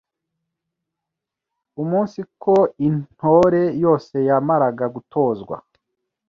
umunsiko Intore yose yamaraga gutozwa